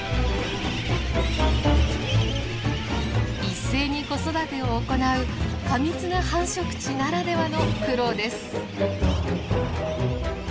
一斉に子育てを行う過密な繁殖地ならではの苦労です。